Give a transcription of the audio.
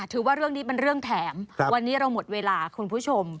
ถือว่าเรื่องนี้เป็นเรื่องแถมวันนี้เราหมดเวลาคุณผู้ชม